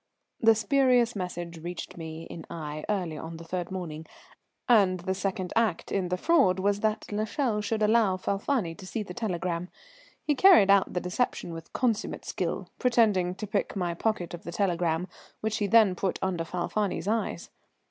The spurious message reached me in Aix early on the third morning, and the second act in the fraud was that l'Echelle should allow Falfani to see the telegram. He carried out the deception with consummate skill, pretending to pick my pocket of the telegram, which he then put under Falfani's eyes.